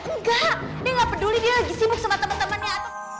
enggak dia gak peduli dia lagi sibuk sama temen temennya